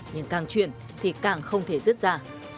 nhưng càng chuyển thì càng không thể rút ra